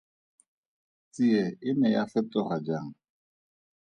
Tsie e ne ya fetoga jang?